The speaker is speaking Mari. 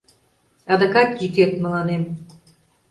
Адакат йӱкет мыланем